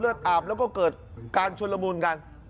อาบแล้วก็เกิดการชนละมุนกัน